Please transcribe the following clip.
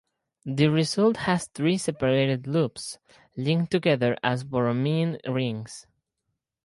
The result has three separate loops, linked together as Borromean rings.